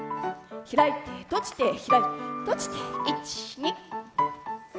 開いて、閉じて、開いて、閉じて。